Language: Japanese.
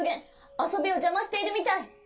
あそびをじゃましているみたい。